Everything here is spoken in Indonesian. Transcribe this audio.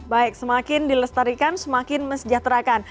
baik semakin dilestarikan semakin mesejahterakan